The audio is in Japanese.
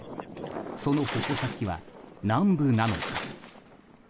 その矛先は南部なのか。